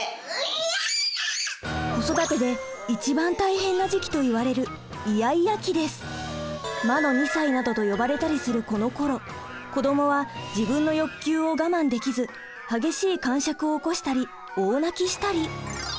子育てで一番大変な時期といわれる「魔の２歳」などと呼ばれたりするこのころ子どもは自分の欲求を我慢できず激しいかんしゃくを起こしたり大泣きしたり。